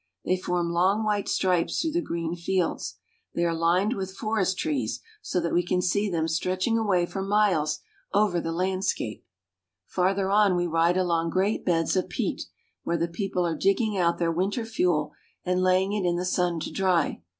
They form long white stripes through the green fields. They are lined with forest trees, so that we can see them stretching away for miles over the landscape. Farther on we ride along great beds of peat, where the people are digging out their winter fuel, and laying it in the sun to dry.